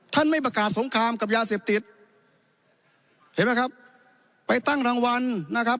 ไม่ประกาศสงครามกับยาเสพติดเห็นไหมครับไปตั้งรางวัลนะครับ